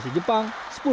kursi jepang sepuluh sebelas